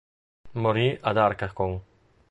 Morì ad Arcachon.